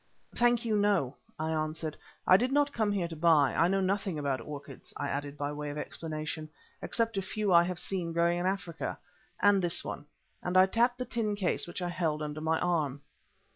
"Thank you, no," I answered, "I did not come here to buy. I know nothing about orchids," I added by way of explanation, "except a few I have seen growing in Africa, and this one," and I tapped the tin case which I held under my arm.